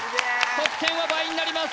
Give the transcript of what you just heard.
得点は倍になります